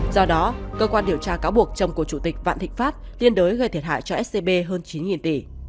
do đó cơ quan điều tra cáo buộc chồng của chủ tịch vạn thịnh pháp tiên đối gây thiệt hại cho scb hơn chín tỷ